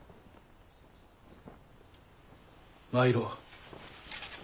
参ろう。